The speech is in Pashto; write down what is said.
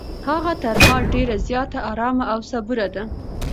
هغه تر ما ډېره زیاته ارامه او صبوره ده.